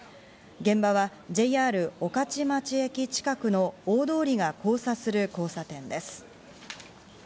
現場はＪＲ御徒町駅近くの大通りが交差する交差点です。